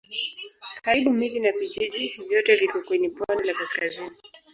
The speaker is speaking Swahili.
Karibu miji na vijiji vyote viko kwenye pwani la kaskazini.